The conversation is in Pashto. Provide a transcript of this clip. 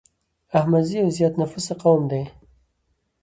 احمدزي يو زيات نفوسه قوم دی